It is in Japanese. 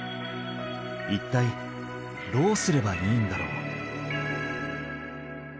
一体どうすればいいんだろう？